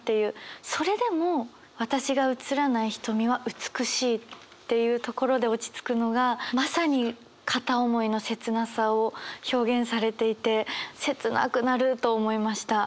それでも私が映らない瞳は美しいっていうところで落ち着くのがまさに片思いの切なさを表現されていて切なくなると思いました。